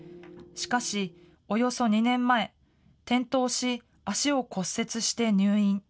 しかし、およそ２年前、転倒し、足を骨折して入院。